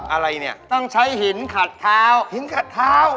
อะไรเนี่ยต้องใช้หินขัดเท้าหินขัดเท้า